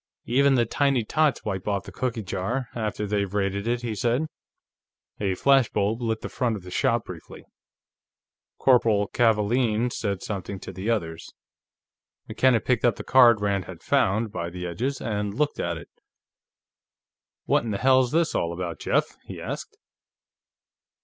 "Even the tiny tots wipe off the cookie jar, after they've raided it," he said. A flash bulb lit the front of the shop briefly. Corporal Kavaalen said something to the others. McKenna picked up the card Rand had found by the edges and looked at it. "What in hell's this all about, Jeff?" he asked.